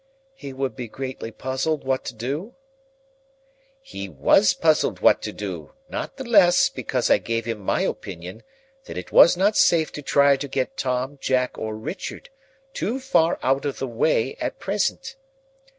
"He would be greatly puzzled what to do?" "He was puzzled what to do; not the less, because I gave him my opinion that it was not safe to try to get Tom, Jack, or Richard too far out of the way at present.